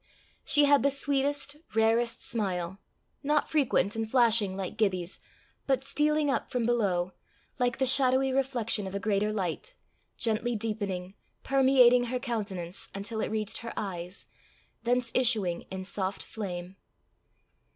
She had the sweetest, rarest smile not frequent and flashing like Gibbie's, but stealing up from below, like the shadowy reflection of a greater light, gently deepening, permeating her countenance until it reached her eyes, thence issuing in soft flame.